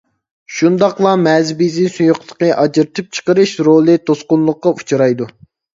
شۇنداقلا مەزى بېزى سۇيۇقلۇقى ئاجرىتىپ چىقىرىش رولى توسقۇنلۇققا ئۇچرايدۇ.